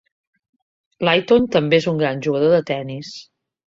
Litton també és un gran jugador de tennis.